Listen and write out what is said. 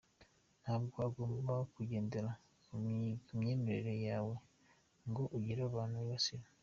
Ntabwo ugomba kugenderera ku myemerere yawe ngo ugire abantu wibasira.